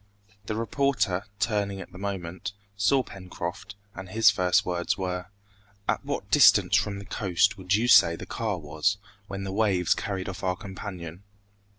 The reporter, turning at the moment, saw Pencroft, and his first words were, "At what distance from the coast would you say the car was, when the waves carried off our companion?"